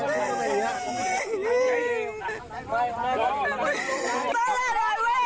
ตอนนี้มันไม่ตายใช้เมล่าเลย